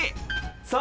さあ。